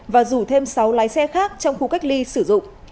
và rủ thêm sáu lái xe khác trong khu cách ly sử dụng